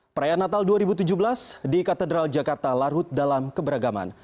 perayaan natal dua ribu tujuh belas di katedral jakarta larut dalam keberagaman